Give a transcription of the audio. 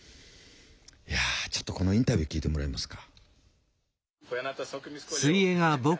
いやちょっとこのインタビュー聞いてもらえますか？